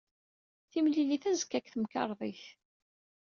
Timlilit azekka deg temkarḍit.